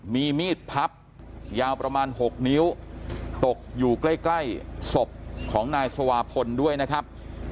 มีมีดพับยาวประมาณ๖นิ้วตกอยู่ใกล้ใกล้ศพของนายสวาพลด้วยนะครับ